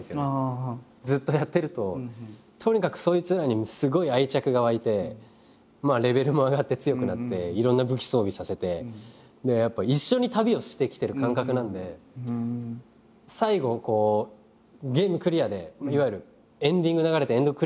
ずっとやってるととにかくそいつらにすごい愛着が湧いてレベルも上がって強くなっていろんな武器装備させてやっぱ一緒に旅をしてきてる感覚なんで最後ゲームクリアでいわゆるエンディング流れてエンド